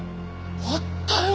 あったよ！